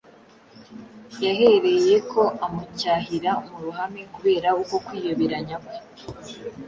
yahereyeko amucyahira mu ruhame kubera uko kwiyoberanya kwe.